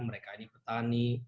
mereka ini petani